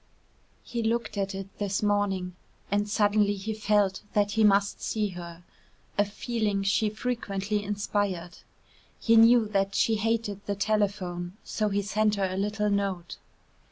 He looked at it this morning, and suddenly he felt that he must see her a feeling she frequently inspired. He knew that she hated the telephone, so he sent her a little note.